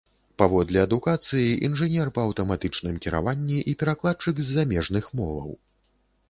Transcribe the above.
Паводле адукацыі інжынер па аўтаматычным кіраванні і перакладчык з замежных моваў.